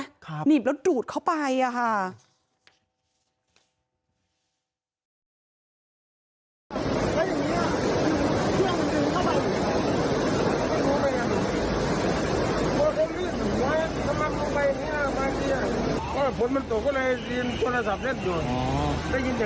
หักนีบแล้วก็ดูดเข้าไปค่ะ